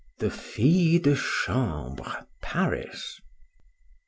THE FILLE DE CHAMBRE. PARIS.